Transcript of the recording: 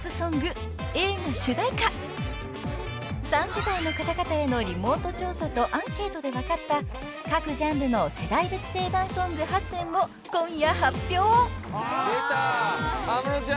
［３世代の方々へのリモート調査とアンケートで分かった各ジャンルの世代別定番ソング８選を今夜発表］